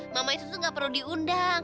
mama itu tuh nggak perlu diundang